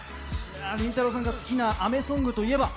りんたろーさんが好きな雨ソングといえば？